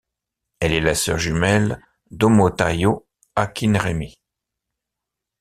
Elle est la sœur jumelle d'Omotayo Akinremi.